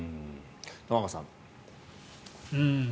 玉川さん。